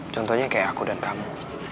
contohnya kayak aku dan kamu